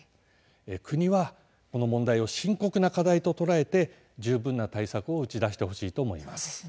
国はこの問題を深刻な課題と捉えて、十分な対策を打ち出してほしいと思います。